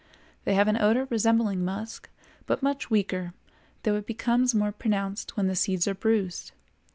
They have an odor resembling musk, but much weaker, though it becomes more pronounced when the seeds are bruised.